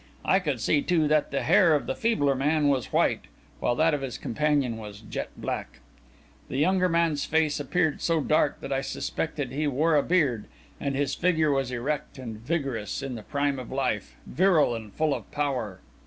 I could see, too, that the hair of the feebler man was white, while that of his companion was jet black. The younger man's face appeared so dark that I suspected he wore a beard, and his figure was erect and vigorous, in the prime of life, virile and full of power.